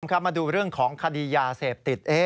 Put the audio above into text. ครับมาดูเรื่องของคดียาเสพติด